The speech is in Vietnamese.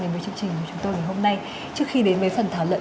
đến với chương trình của chúng tôi ngày hôm nay trước khi đến với phần thảo luận